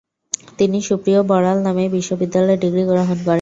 তিনি সুপ্রিয় বড়াল নামেই বিশ্ববিদ্যালয়ের ডিগ্রী গ্রহণ করেন।